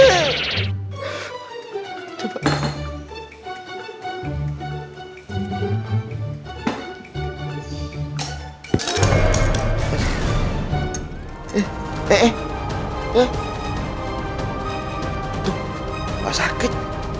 tuh gak sakit